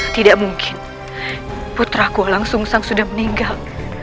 tidak mungkin putraku walang sungsang sudah meninggal